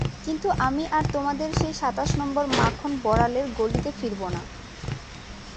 কিন্তু আমি আর তোমাদের সেই সাতাশ নম্বর মাখন বড়ালের গলিতে ফিরব না।